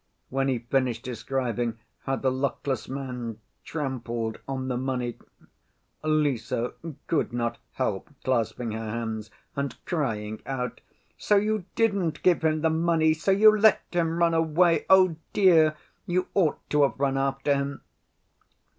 When he finished describing how the luckless man trampled on the money, Lise could not help clasping her hands and crying out: "So you didn't give him the money! So you let him run away! Oh, dear, you ought to have run after him!"